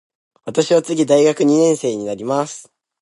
私は次大学二年生になります。